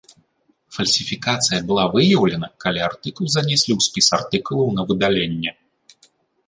Фальсіфікацыя была выяўлена, калі артыкул занеслі ў спіс артыкулаў на выдаленне.